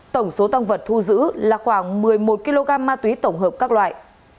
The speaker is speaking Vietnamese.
tổng số tăng vật thu giữ là khoảng một mươi một kg ma túy tổng hợp các loại